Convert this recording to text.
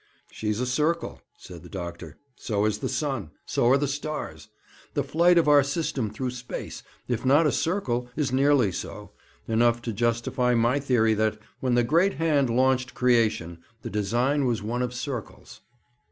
'She is a circle,' said the doctor. 'So is the sun. So are the stars. The flight of our system through space, if not a circle, is nearly so enough to justify my theory that, when the Great Hand launched Creation, the design was one of circles.'